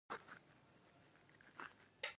د بامیان په پنجاب کې د څه شي نښې دي؟